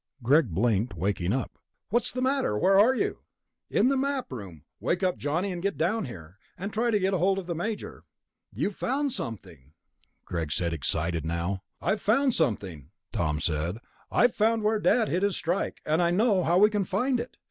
Greg blinked, waking up. "What's the matter? Where are you?" "In the Map Room. Wake Johnny up and get down here. And try to get hold of the Major." "You've found something," Greg said, excited now. "I've found something," Tom said. "I've found where Dad hid his strike ... and I know how we can find it!